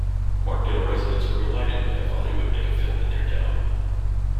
Markdale residents were delighted to have Hollywood make a film in their town.